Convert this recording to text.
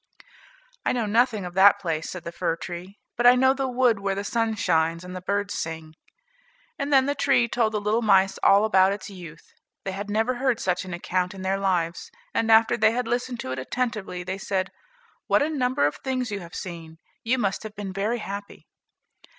"I know nothing of that place," said the fir tree, "but I know the wood where the sun shines and the birds sing." And then the tree told the little mice all about its youth. They had never heard such an account in their lives; and after they had listened to it attentively, they said, "What a number of things you have seen? you must have been very happy."